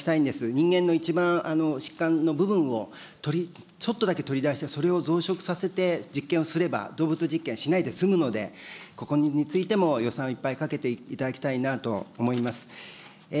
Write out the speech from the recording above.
人間の一番疾患の部分をちょっとだけ取り出して、それを増殖させて実験をすれば、動物実験しないで済むので、ここについても、予算をいっぱいかけていただきたいなと思います。